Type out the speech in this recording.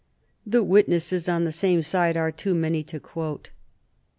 The witnesses on the same side are too many to quote.